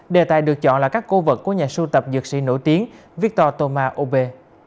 đề tài được chọn là các cổ vật của nhà sưu tập dược sĩ nổi tiếng victor toma obe